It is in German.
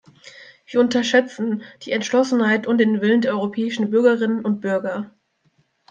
Wir unterschätzen die Entschlossenheit und den Willen der europäischen Bürgerinnen und Bürger.